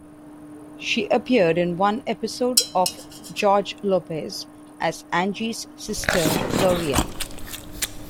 She appeared in one episode of "George Lopez" as Angie's sister, Gloria.